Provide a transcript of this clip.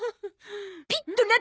ピッとな。